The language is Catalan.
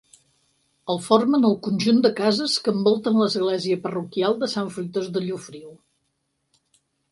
El formen el conjunt de cases que envolten l'església parroquial de Sant Fruitós de Llofriu.